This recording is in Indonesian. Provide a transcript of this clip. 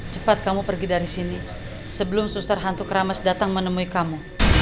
cepat kamu pergi dari sini sebelum suster hantu kramas datang menemui kamu